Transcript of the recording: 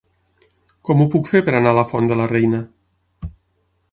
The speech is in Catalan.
Com ho puc fer per anar a la Font de la Reina?